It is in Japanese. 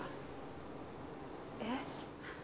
えっ？